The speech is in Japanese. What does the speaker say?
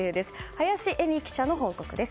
林英美記者の報告です。